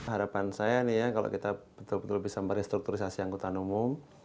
harapan saya ini ya kalau kita betul betul bisa merestrukturisasi angkutan umum